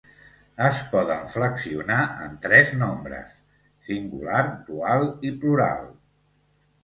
Es poden flexionar en tres nombres: singular, dual i plural.